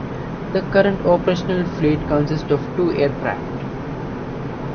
The current operational fleet consists of two aircraft.